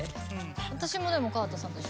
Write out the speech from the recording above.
私もでも川田さんと一緒。